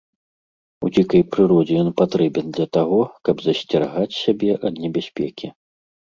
У дзікай прыродзе ён патрэбен для таго, каб засцерагаць сябе ад небяспекі.